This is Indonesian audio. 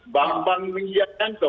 bambang minjad danto